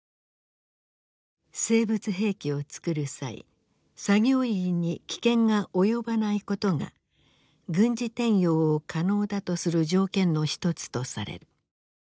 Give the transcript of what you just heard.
生物兵器を作る際作業員に危険が及ばないことが軍事転用を可能だとする条件の一つとされる。